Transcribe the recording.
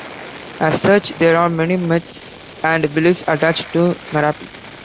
As such, there are many myths and beliefs attached to Merapi.